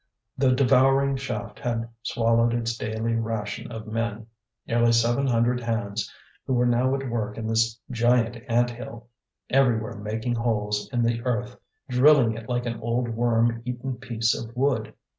The devouring shaft had swallowed its daily ration of men: nearly seven hundred hands, who were now at work in this giant ant hill, everywhere making holes in the earth, drilling it like an old worm eaten piece of wood.